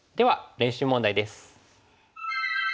練習問題です。